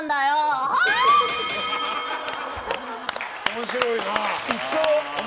面白いな。